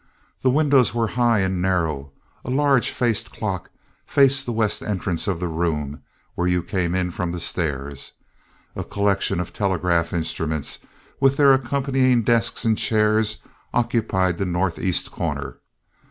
The windows were high and narrow; a large faced clock faced the west entrance of the room where you came in from the stairs; a collection of telegraph instruments, with their accompanying desks and chairs, occupied the northeast corner.